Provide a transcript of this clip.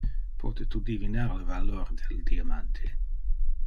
Pote tu divinar le valor del diamante?